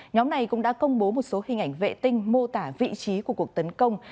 nhóm này cũng đã công bố một số hình ảnh vệ tinh mô tả vị trí của cuộc tấn công